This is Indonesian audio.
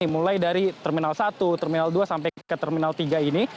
mulai dari terminal satu terminal dua sampai ke terminal tiga ini